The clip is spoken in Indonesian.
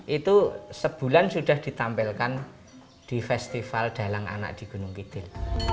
itu sebulan sudah ditampilkan di festival dalang anak di gunung kidul